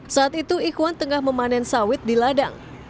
saat itu ikwan tengah memanen sawit di ladang